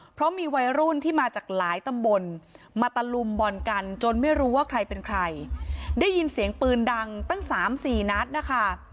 เพราะมีวัยรุ่นที่มาจากหลายตำบลมาตะลุมบอลกันจนไม่รู้ว่าใครเป็นใครได้ยินเสียงปืนดังตั้งสามสี่นัดนะคะ